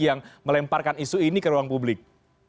yang melemparkan isu ini ke ruang publik